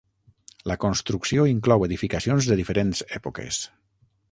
La construcció inclou edificacions de diferents èpoques.